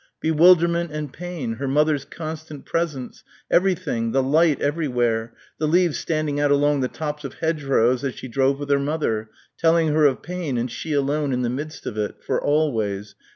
Bewilderment and pain ... her mother's constant presence ... everything, the light everywhere, the leaves standing out along the tops of hedgerows as she drove with her mother, telling her of pain and she alone in the midst of it ... for always